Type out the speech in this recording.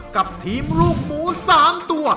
กับทีมลูกหมู๓ตัว